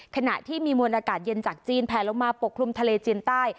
ขณะที่มีมวลอากาศเย็นจากจีนแผลลงมาปกคลุมทะเลจีนใต้